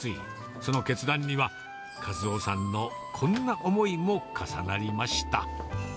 その決断には、一夫さんのこんな思いも重なりました。